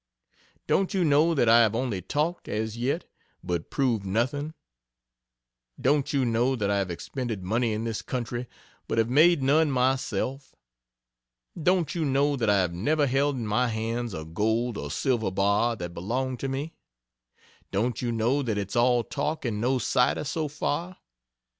Don't you know that I have only talked, as yet, but proved nothing? Don't you know that I have expended money in this country but have made none myself? Don't you know that I have never held in my hands a gold or silver bar that belonged to me? Don't you know that it's all talk and no cider so far?